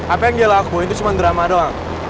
apa yang dia lakuin tuh cuman drama doang